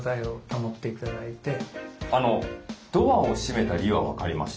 ドアを閉めた理由は分かりました。